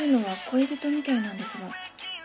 恋人みたいなんですが。